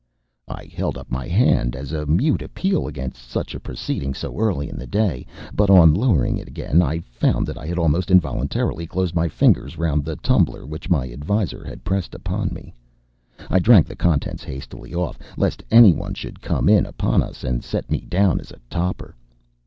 I held up my hand as a mute appeal against such a proceeding so early in the day; but on lowering it again I found that I had almost involuntarily closed my fingers round the tumbler which my adviser had pressed upon me. I drank the contents hastily off, lest anyone should come in upon us and set me down as a toper.